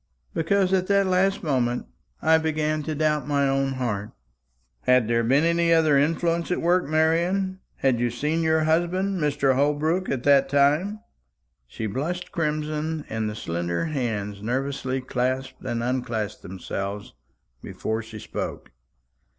"Because at that last moment I began to doubt my own heart." "Had there been any other influence at work, Marian? Had you seen your husband, Mr. Holbrook, at that time?" She blushed crimson, and the slender hands nervously clasped and unclasped themselves before she spoke.